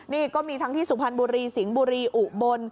นี่ก็มีทั้งที่สุพรรณบุรีสิงห์บุรีอุบล